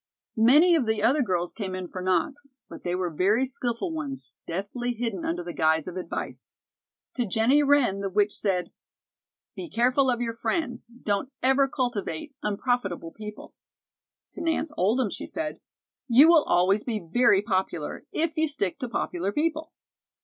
Many of the other girls came in for knocks, but they were very skillful ones, deftly hidden under the guise of advice. To Jennie Wren the witch said: "Be careful of your friends. Don't ever cultivate unprofitable people." To Nance Oldham she said: "You will always be very popular if you stick to popular people."